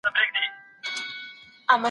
لمرواله